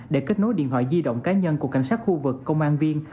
để kết nối điện thoại di động cá nhân của cảnh sát khu vực công an viên